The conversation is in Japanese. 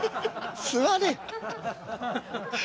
座れ。